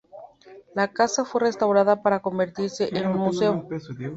La casa fue restaurada para convertirse en un museo.